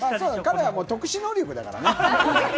彼は特殊能力だからね。